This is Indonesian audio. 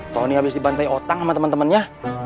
kau ini habis dibantai otang sama temen temennya